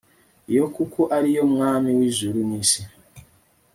iyo kuko ari yo mwami w'ijuri n'isi